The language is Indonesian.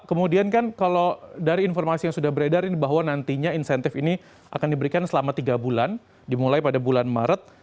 kemudian kan kalau dari informasi yang sudah beredar ini bahwa nantinya insentif ini akan diberikan selama tiga bulan dimulai pada bulan maret